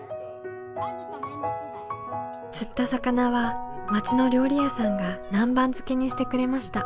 釣った魚は町の料理屋さんが南蛮漬けにしてくれました。